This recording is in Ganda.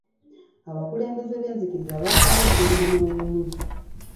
Abakulembeze b'enzikiriza baasabye eddembe n'obumu.